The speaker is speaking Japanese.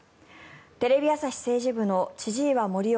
テレビ朝日政治部の千々岩森生